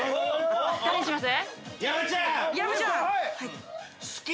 ◆誰にします？